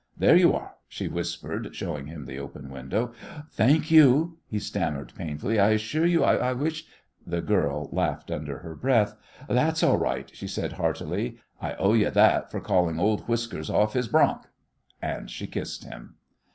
"There you are," she whispered, showing him the open window. "Thank you," he stammered, painfully, "I assure you I wish " The girl laughed under her breath. "That's all right," she said, heartily, "I owe you that for calling old whiskers off his bronc," and she kissed him.